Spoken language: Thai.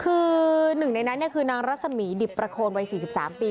คือหนึ่งในนั้นคือนางรัศมีดิบประโคนวัย๔๓ปี